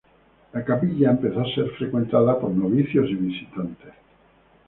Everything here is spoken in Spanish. La capilla empezó a ser frecuentada por novicios y visitantes.